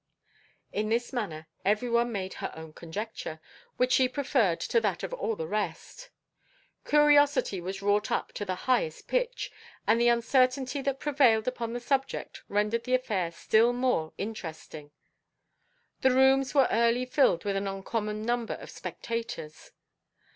In this manner every one made her own conjecture, which she preferred to that of all the rest. Curiosity was wrought up to the highest pitch, and the uncertainty that prevailed upon the subject, rendered the affair still more interesting. The rooms were early filled with an uncommon number of spectators.